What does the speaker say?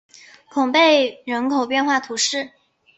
孔贝人口变化图示